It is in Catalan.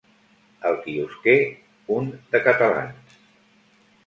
El quiosquer un de catalans.